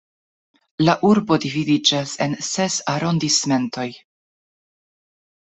La urbo dividiĝas en ses arondismentoj.